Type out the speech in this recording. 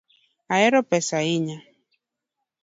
Ohero pesa ahinya